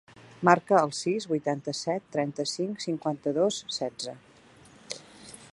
Marca el sis, vuitanta-set, trenta-cinc, cinquanta-dos, setze.